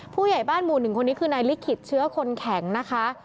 ผู้ใหญ่บ้านหมู่หนึ่งคนนี้คือนายลิขิตเชื้อคนแข็งนะคะ